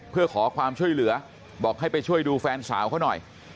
เพื่อขอความช่วยเหลือบอกให้ไปช่วยดูแฟนสาวเขาหน่อย